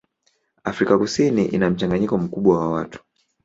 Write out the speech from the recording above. Afrika Kusini ina mchanganyiko mkubwa wa watu.